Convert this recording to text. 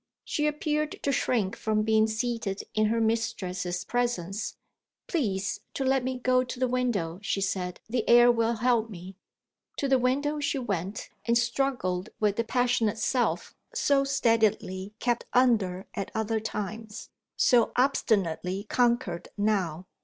She appeared to shrink from being seated in her mistress's presence. "Please to let me go to the window," she said; "the air will help me." To the window she went, and struggled with the passionate self so steadily kept under at other times; so obstinately conquered now.